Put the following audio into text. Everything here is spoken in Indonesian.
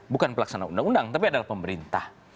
bukan pelaksana undang undang tapi adalah pemerintah